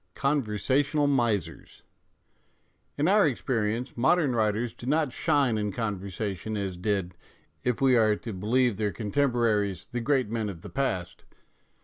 ." XXXII CONVERSATIONAL MISERS IN our experience modern writers do not shine in conversation as did, if we are to believe their contemporaries, the great men of the past.